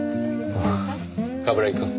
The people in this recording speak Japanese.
冠城くん？